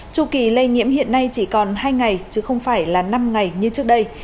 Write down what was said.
trước khi lây nhiễm hiện nay chỉ còn hai ngày chứ không phải là năm ngày như trước đây